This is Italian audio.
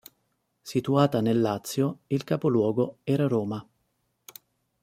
Situata nel Lazio, il capoluogo era Roma.